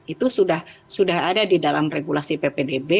itu sudah ada di dalam regulasi ppdb